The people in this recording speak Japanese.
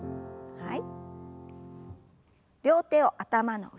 はい。